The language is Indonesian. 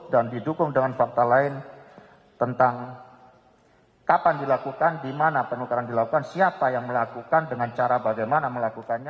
dan didukung dengan fakta lain tentang kapan dilakukan di mana penukaran dilakukan siapa yang melakukan dengan cara bagaimana melakukannya